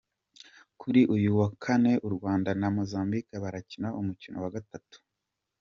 Kuri uyu wa Kane u Rwanda na Mozambique barakina umukino wa gatatu.